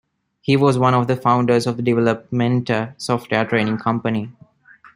He was one of the founders of the DevelopMentor software training company.